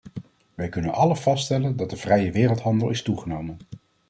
Wij kunnen allen vaststellen dat de vrije wereldhandel is toegenomen.